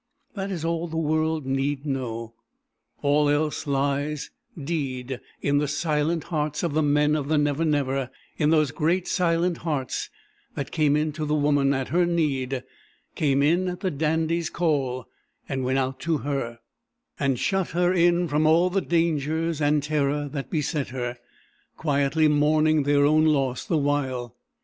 That is all the world need know. All else lies deed in the silent hearts of the Men of the Never Never, in those great, silent hearts that came in to the woman at her need; came in at the Dandy's call, and went out to her, and shut her in from all the dangers and terror that beset her, quietly mourning their own loss the while.